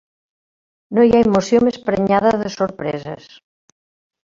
No hi ha emoció més prenyada de sorpreses